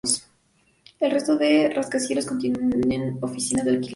El resto del rascacielos contenía oficinas de alquiler.